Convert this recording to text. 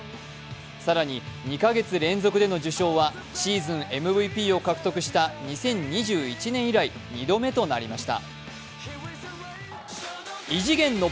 更に２か月連続はシーズンＭＶＰを獲得した２０２１年以来、２度目となりました。